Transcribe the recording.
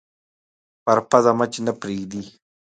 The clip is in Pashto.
پر پزه مچ نه پرېږدي